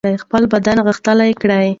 خپل بدن غښتلی کړئ.